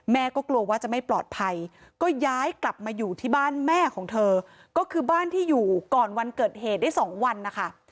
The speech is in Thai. ก็กลัวว่าจะไม่ปลอดภัยก็ย้ายกลับมาอยู่ที่บ้านแม่ของเธอก็คือบ้านที่อยู่ก่อนวันเกิดเหตุได้สองวันนะคะ